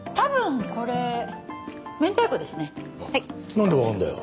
なんでわかるんだよ？